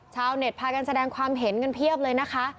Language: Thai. ชาวเน็ตพากันแสดงความเห็นกันเพียบเลยนะคะ